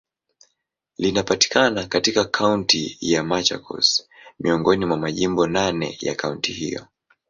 Linapatikana katika Kaunti ya Machakos, miongoni mwa majimbo naneya kaunti hiyo.